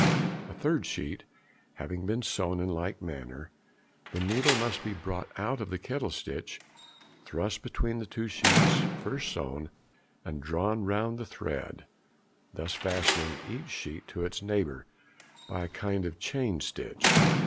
A third sheet having been sewn in like manner, the needle must be brought out at the kettle stitch, thrust between the two sheets first sewn, and drawn round the thread, thus fastening each sheet to its neighbour by a kind of chain stitch.